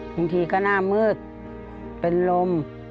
บางทีก็หน้ามืดเป็นลม